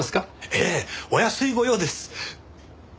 ええお安い御用です。